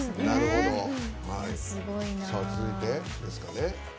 続いてですかね。